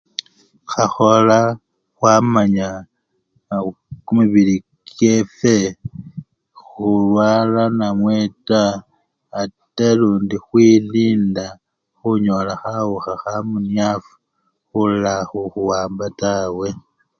Khukhola khwamanya kimibili kyefwe khulwala namwe taa ate lundi indi khwelinda khunyola khawukha khamunyafu khula khukhuwamba tawe.